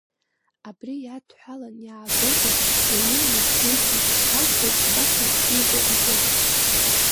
Абри иадҳәалан иаагозар, уаҩы иазгәеиҭар алшоит абас еиԥш иҟоу акы…